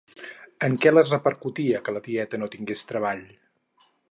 En què les repercutia que la tieta no tingués treball?